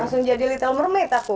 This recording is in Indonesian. langsung jadi little mermaid aku